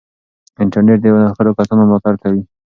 انټرنیټ د نوښتګرو کسانو ملاتړ کوي.